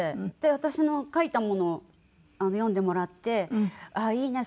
私の書いたものを読んでもらって「いいね。